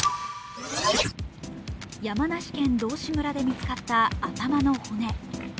山梨県道志村で見つかった頭の骨。